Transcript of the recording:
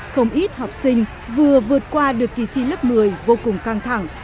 không ít học sinh vừa vượt qua được kỳ thi lớp một mươi vô cùng căng thẳng